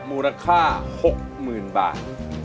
มูลค่า๖๐๐๐บาท